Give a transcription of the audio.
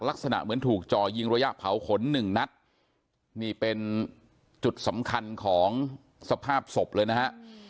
ลักษณะเหมือนถูกจ่อยิงระยะเผาขนหนึ่งนัดนี่เป็นจุดสำคัญของสภาพศพเลยนะฮะ